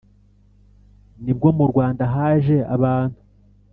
ni bwo mu rwanda haje abantu